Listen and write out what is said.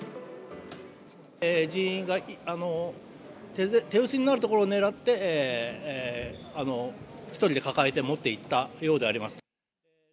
人員が手薄になるところを狙って、１人で抱えて持っていったようであります。